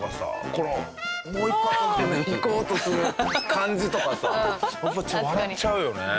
このもう一発いこうとする感じとかさやっぱちょっと笑っちゃうよね。